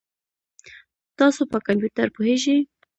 تاسو په کمپیوټر پوهیږئ؟